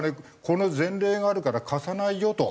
この前例があるから貸さないよと。